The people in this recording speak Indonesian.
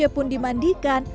odeh gj pun dimandikan